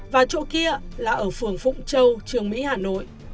và chỗ kia là ở phường phụng châu trường mỹ hà nội